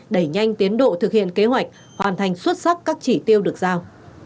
đẩy nhanh tiến độ thực hiện kế hoạch hoàn thành xuất sắc các chỉ tiêu được giao